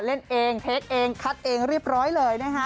เล่นเองเทคเองคัดเองเรียบร้อยเลยนะคะ